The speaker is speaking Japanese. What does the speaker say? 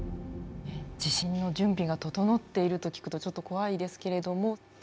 地震の準備が整っていると聞くとちょっと怖いですけれども。